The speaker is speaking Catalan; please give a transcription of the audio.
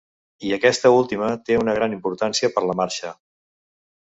I aquesta última té una gran importància per la marxa.